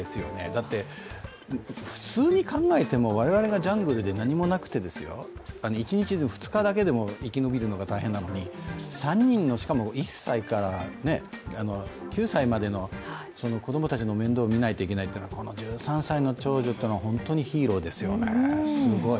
だって普通に考えても、我々がジャングルで何もなくて一日、二日だけでも生き延びるのが大変なのに３人の、しかも１歳から９歳までの子供たちの面倒を見ないといけないっていうのはこの１３歳の長女は本当にヒーローですよね、すごい。